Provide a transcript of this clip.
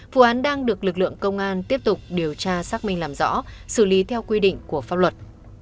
vụ án đang được lực lượng công an tiếp tục điều tra xác minh làm rõ xử lý theo quy định của pháp luật